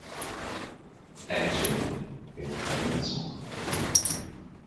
Actuellement, elle travaille à son compte.